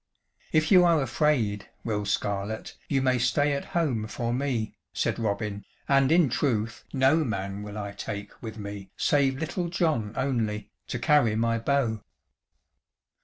"If you are afraid, Will Scarlett, you may stay at home, for me," said Robin, "and in truth no man will I take with me, save Little John only, to carry my bow."